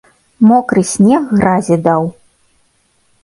Мокры снег гразі даў.